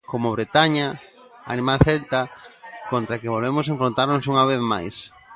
Como Bretaña, a irmá celta contra a que volveremos enfrontarnos unha vez máis.